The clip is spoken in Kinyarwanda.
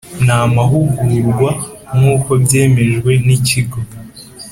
N amahugurwa nk uko byemejwe n ikigo